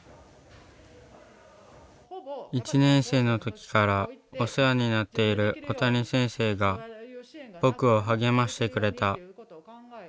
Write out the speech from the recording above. １年生の時からお世話になっているおたに先生が僕を励ましてくれた。